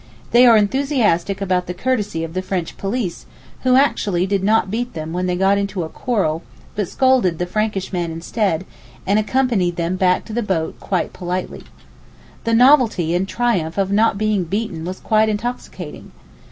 They are enthusiastic about the courtesy of the French police, who actually did not beat them when they got into a quarrel, but scolded the Frankish man instead, and accompanied them back to the boat quite politely. The novelty and triumph of not being beaten was quite intoxicating.